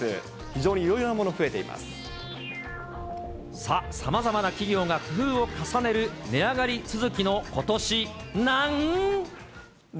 非常にいろいろなもの増えていまさあ、さまざまな企業が工夫を重ねる値上がり続きのことしなん。